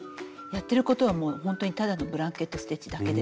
やってることはもうほんとにただのブランケット・ステッチだけです。